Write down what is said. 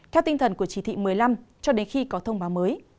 theo tinh thần của chỉ thị một mươi năm cho đến khi có thông báo mới